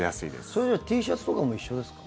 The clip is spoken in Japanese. それはＴシャツとかも一緒ですか？